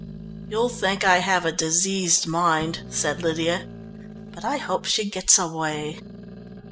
"You'll think I have a diseased mind," said Lydia, "but I hope she gets away."